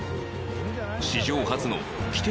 史上初の規定